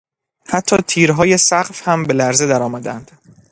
حتی تیرهای سقف هم به لرزه درآمدند.